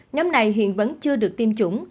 nhóm này hiện vẫn chưa được tiêm chủng